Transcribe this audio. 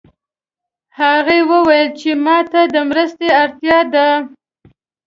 هغې وویل چې ما ته د مرستې اړتیا ده